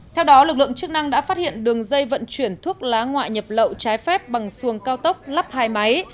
theo đó lực lượng chức năng đã phát hiện đường dây vận chuyển thuốc lá ngoại nhập lậu trái phép bằng xuồng cao tốc lắp hai máy